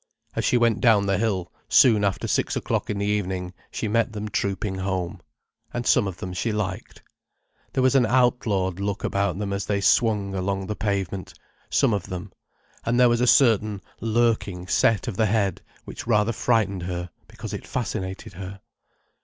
As she went down the hill soon after six o'clock in the evening, she met them trooping home. And some of them she liked. There was an outlawed look about them as they swung along the pavement—some of them; and there was a certain lurking set of the head which rather frightened her because it fascinated her.